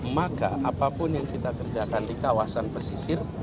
maka apapun yang kita kerjakan di kawasan pesisir